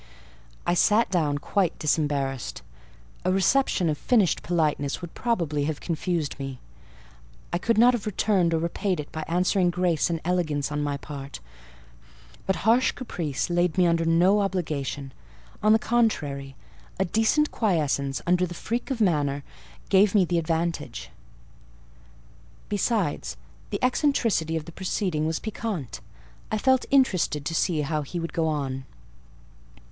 I sat down quite disembarrassed. A reception of finished politeness would probably have confused me: I could not have returned or repaid it by answering grace and elegance on my part; but harsh caprice laid me under no obligation; on the contrary, a decent quiescence, under the freak of manner, gave me the advantage. Besides, the eccentricity of the proceeding was piquant: I felt interested to see how he would go on.